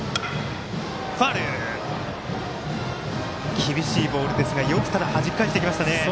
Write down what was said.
厳しいボールですがよくはじき返していきましたね。